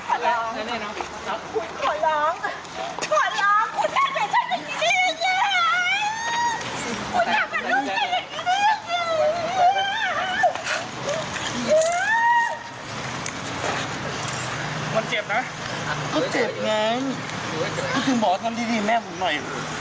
ก็ถึงบอกว่าทำดีแม่ผมหน่อย